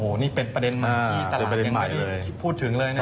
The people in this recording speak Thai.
โหนี่เป็นประเด็นมากที่ตลาดไม่ได้พูดถึงเลยนะฮะ